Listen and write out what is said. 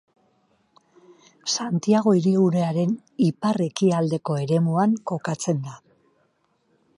Santiago Hirigunearen ipar-ekialdeko eremuan kokatzen da.